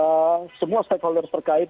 sehingga awal semua stakeholder terkait